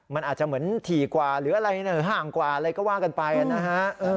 มันอาจจะเหมือนถี่กว่าหรืออะไรห่างกว่าอะไรก็ว่ากันไปนะฮะ